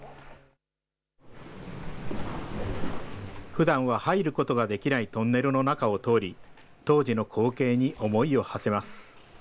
ふだんは入ることができないトンネルの中を通り、当時の光景に思いをはせます。